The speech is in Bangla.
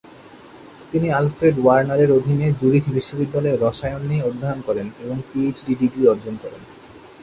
তিনি আলফ্রেড ওয়ার্নারের অধীনে জুরিখ বিশ্ববিদ্যালয়ে রসায়ন নিয়ে অধ্যয়ন করেন এবং পিএইচডি ডিগ্রি অর্জন করেন।